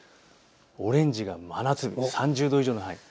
オレンジが真夏日、３０度以上の範囲。